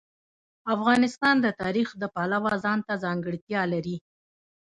افغانستان د تاریخ د پلوه ځانته ځانګړتیا لري.